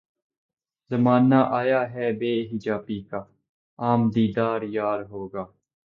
زمانہ آیا ہے بے حجابی کا عام دیدار یار ہوگا